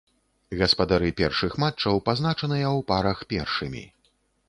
Гаспадары першых матчаў пазначаныя ў парах першымі.